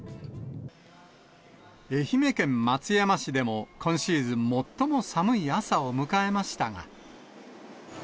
愛媛県松山市でも、今シーズン最も寒い朝を迎えましたが。